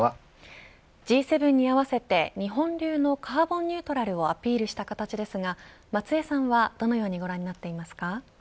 Ｇ７に合わせて日本流のカーボンニュートラルをアピールした形ですが松江さんはどのようにご覧になっていますか。